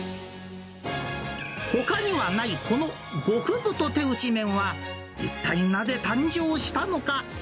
ほかにはないこの極太手打ち麺は、一体なぜ誕生したのか。